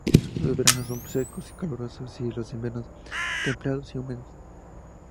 Los veranos son secos y calurosos, y los inviernos, templados y húmedos.